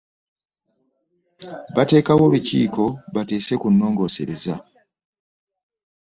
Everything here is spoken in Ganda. Batekawo olukiiko bateese ku nnongosereza .